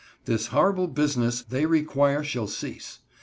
This horrible business they require shall cease.